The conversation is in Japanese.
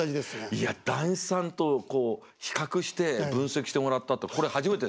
いや談志さんとこう比較して分析してもらったってこれ初めてです。